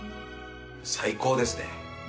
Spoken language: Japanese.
最高ですね。